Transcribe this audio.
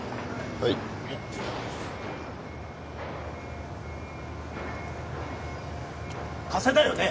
はい加瀬だよね？